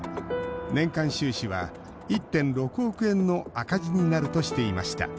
年間収支は１．６億円の赤字になるとしていました。